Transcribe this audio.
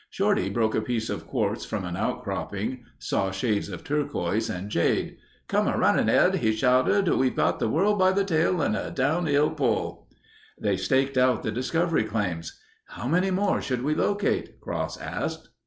Shorty broke a piece of quartz from an outcropping; saw shades of turquoise and jade. "Come a runnin' Ed," he shouted. "We've got the world by the tail and a downhill pull." They staked out the discovery claims. "How many more should we locate?" Cross asked.